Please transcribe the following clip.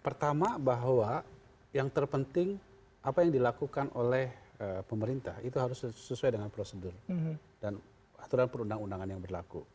pertama bahwa yang terpenting apa yang dilakukan oleh pemerintah itu harus sesuai dengan prosedur dan aturan perundang undangan yang berlaku